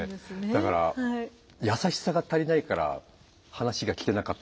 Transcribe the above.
だから「優しさ」が足りないから話が聞けなかったとか生々しすぎて。